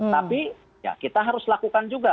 tapi ya kita harus lakukan juga